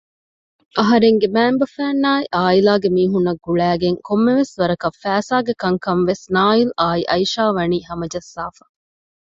އަހަރެންގެ މައިންބަފައިންނާއި އާއިލާގެ މީހުންނަށް ގުޅައިގެން ކޮންމެވެސް ވަރަކަށް ފައިސާގެ ކަންކަންވެސް ނާއިލްއާއި އައިޝާވަނީ ހަމަޖައްސާފަ